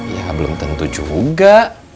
ya belum tentu juga